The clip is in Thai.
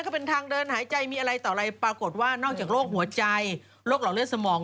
เขาเป็นทางเดินหายใจมีอะไรต่ออะไรปรากฏว่านอกจากโรคหัวใจโรคหลอดเลือดสมอง